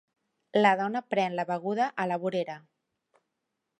La dona pren la beguda a la vorera.